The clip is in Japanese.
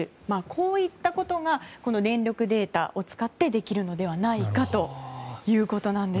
こういったことが電力データを使ってできるのではないかということです。